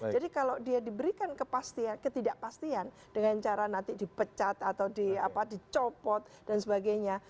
jadi kalau dia diberikan kepastian ketidakpastian dengan cara nanti dipecat atau dicopot dan sebagainya